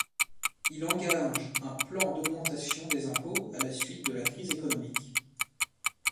Il engage un plan d'augmentation des impôts à la suite de la crise économique.